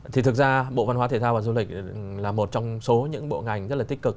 thì thực ra bộ văn hóa thể thao và du lịch là một trong số những bộ ngành rất là tích cực